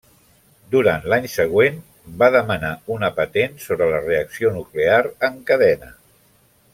Durant l'any següent, va demanar una patent sobre la reacció nuclear en cadena.